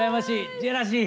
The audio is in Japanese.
ジェラシー。